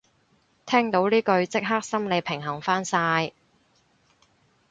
聽到呢句即刻心理平衡返晒